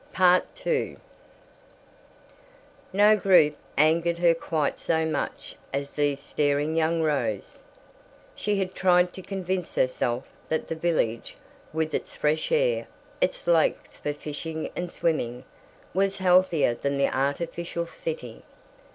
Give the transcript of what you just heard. II No group angered her quite so much as these staring young roues. She had tried to convince herself that the village, with its fresh air, its lakes for fishing and swimming, was healthier than the artificial city.